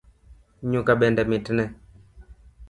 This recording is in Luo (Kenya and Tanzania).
Nyuka bende mitne